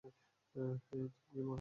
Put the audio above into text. হেই, তোর কী মনে হয়?